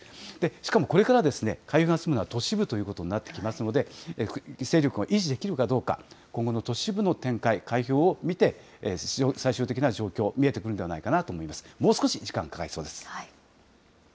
しかもこれから開票が進むのは都市部ということになってきますので、勢力を維持できるかどうか、今後の都市部の展開、開票を見て、最終的な状況、見えてくるんではないかなと思います。